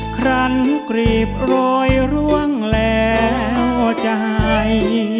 ครันกรีบโรยร่วงแล้วใจ